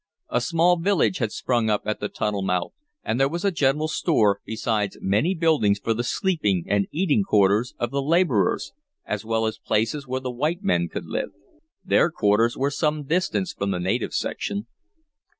A small village had sprung up at the tunnel mouth, and there was a general store, besides many buildings for the sleeping and eating quarters of the laborers, as well as places where the white men could live. Their quarters were some distance from the native section.